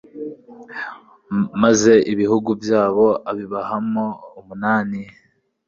Maze ibihugu byabo abibahaho umunani